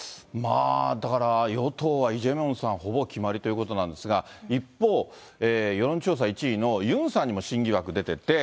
だから与党はイ・ジェミョンさん、ほぼ決まりということなんですが、一方、世論調査１位のユンさんにも新疑惑が出てて。